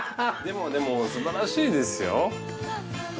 でもでもすばらしいですよ。